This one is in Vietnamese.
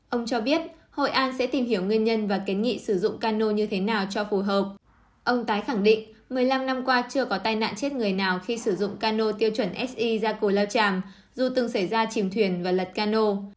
ông tái khẳng định một mươi năm năm qua chưa có tai nạn chết người nào khi sử dụng cano tiêu chuẩn si ra cổ lao tràm dù từng xảy ra chìm thuyền và lật cano